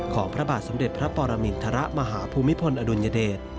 ของพระบาทสำเด็จพระปรมิณฑระมหาภูมิพลอดุลยเดช